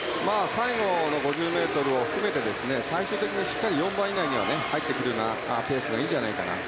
最後の５０ｍを含めて最終的にしっかり４番以内に入ってくるようなペースがいいんじゃないかなと。